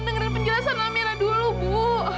dengerin penjelasan amera dulu bu